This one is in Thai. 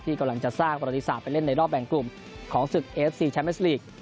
ที่กำลังจะสร้างประธิษฐาไปเล่นในรอบแบ่งกลุ่มของสึกเอฟซีแชมพลิสติก